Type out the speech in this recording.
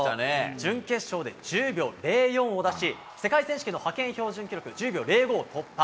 準決勝で１０秒０４を出し、世界選手権の派遣標準記録１０秒０５を突破。